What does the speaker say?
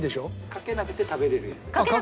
かけなくて食べるの？